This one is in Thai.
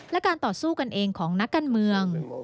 และการต่อสู้กันเองของนักการเมือง